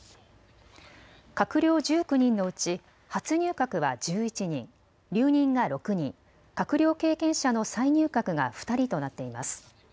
閣僚１９人のうち初入閣は１１人、留任が６人、閣僚経験者の再入閣が２人となっています。